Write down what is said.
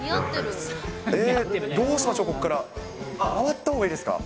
えー、どうしましょう、ここから、回ったほうがいいですか？